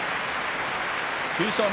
９勝目。